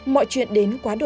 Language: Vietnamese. mọi chuyện đến quá đủ lắm